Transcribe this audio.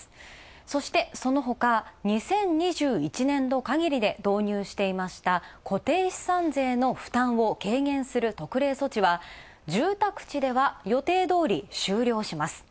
そしてそのほか、２０２１年度かぎりで導入していました、固定資産税の負担を軽減する特例措置は住宅地では予定どおり終了します。